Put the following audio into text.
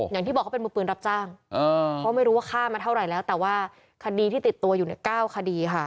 อย่างที่บอกเขาเป็นมือปืนรับจ้างเพราะไม่รู้ว่าฆ่ามาเท่าไหร่แล้วแต่ว่าคดีที่ติดตัวอยู่เนี่ย๙คดีค่ะ